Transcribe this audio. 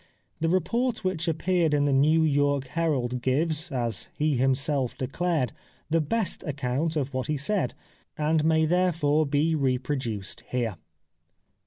The report which appeared in the New York Herald gives, as he himself declared, the best account of what he said, and may therefore be reproduced here.